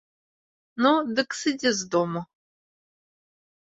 Ну, дык сыдзі з дому.